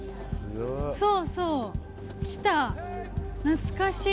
そうそう、来た、懐かしい。